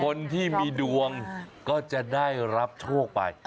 คนที่มีดวงก็จะได้รับโชคไป